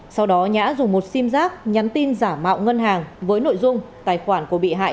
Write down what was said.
sau đó nhã dùng một sim giác nhắn tin giả mạo ngân hàng với nội dung tài khoản của bị hại